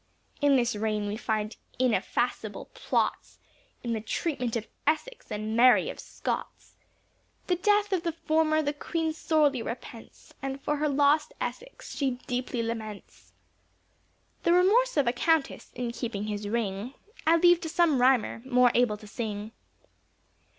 In this reign we find ineffacible blots, In the treatment of Essex, and Mary of Scots; The death of the former, the Queen sorely repents, And for her lost Essex she deeply laments. The remorse of a Countess, in keeping his ring, I leave to some rhymer, more able to sing.